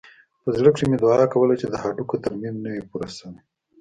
په زړه کښې مې دعا کوله چې د هډوکي ترميم نه وي پوره سوى.